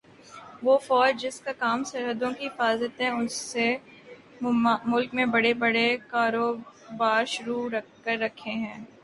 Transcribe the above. وہ فوج جس کا کام سرحدوں کی حفاظت ہے اس نے ملک میں بڑے بڑے کاروبار شروع کر رکھے ہیں